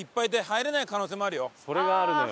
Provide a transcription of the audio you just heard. それがあるのよ